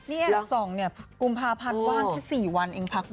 นี่แอดสองเนี่ยกุมภาพาทว่างแค่สี่วันเองพักดู